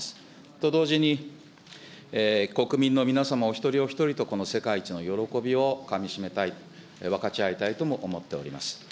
と同時に、国民の皆様お一人お一人と、この世界一の喜びをかみしめたい、分かち合いたいとも思っております。